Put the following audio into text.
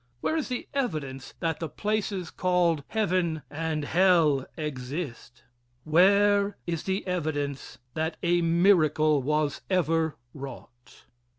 Where is the evidence that the places called heaven and hell exist? Where is the evidence that a miracle was ever wrought?